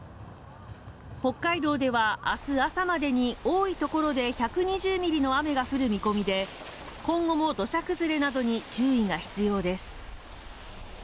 北海道ではあす朝までに多い所で１２０ミリの雨が降る見込みで今後も土砂崩れなどに注意が必要です